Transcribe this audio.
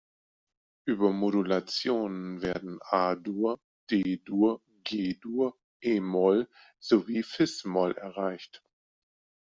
Über Modulationen werden A-Dur, D-Dur, G-Dur, e-Moll sowie fis-Moll erreicht.